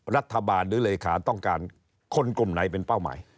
รัฐบาลหรือเลขาต้องการคนกลุ่มไหนเป็นเป้าหมาย